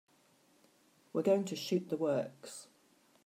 We're going to shoot the works.